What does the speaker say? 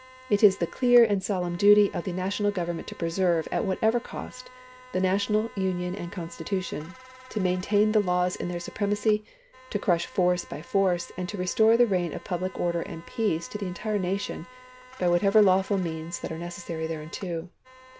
It is the clear and solemn duty of the National Government to preserve, at whatever cost, the National Union and Constitution, to maintain the laws in their supremacy, to crush force by force, and to restore the reign of public order and peace to the entire nation by whatever lawful means that are neces sary thereunto.